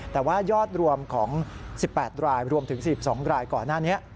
แต่ว่ายอดรวมของ๑๘รายรวมถึง๑๒รายก่อนหน้านี้